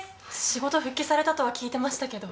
仕事復帰されたとは聞いてましたけど。